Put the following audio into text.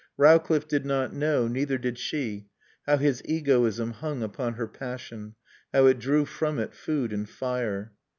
Rowcliffe did not know, neither did she, how his egoism hung upon her passion, how it drew from it food and fire.